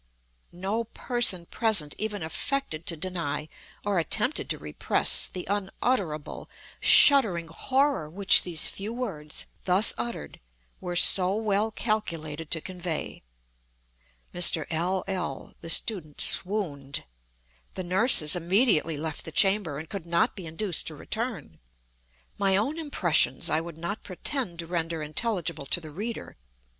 No person present even affected to deny, or attempted to repress, the unutterable, shuddering horror which these few words, thus uttered, were so well calculated to convey. Mr. L—l (the student) swooned. The nurses immediately left the chamber, and could not be induced to return. My own impressions I would not pretend to render intelligible to the reader.